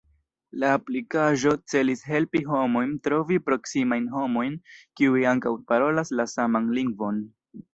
La aplikaĵo celis helpi homojn trovi proksimajn homojn kiuj ankaŭ parolas la saman lingvon.